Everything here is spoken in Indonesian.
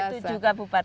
dari itu juga bu patan